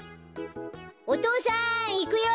お父さんいくよ！